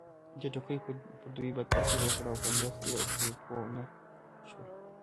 دې ټوکې پر دوی بد تاثیر وکړ او ګنګس یې کړل، پوه نه شول.